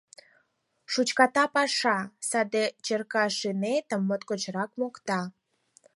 — Шучката паша — саде Черкашинетым моткочак мокта!